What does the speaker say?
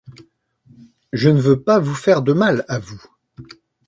Je ne veux pas vous faire de mal, à vous.